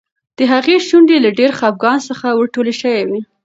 د هغې شونډې له ډېر خپګان څخه ورټولې شوې وې.